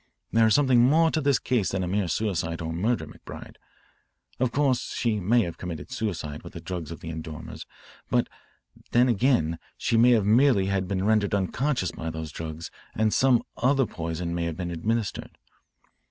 There is something more to this case than a mere suicide or murder, McBride. Of course she may have committed suicide with the drugs of the endormeurs; then again she may merely have been rendered unconscious by those drugs and some other poison may have been administered.